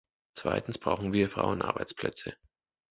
Zweitens brauchen wir Frauenarbeitsplätze.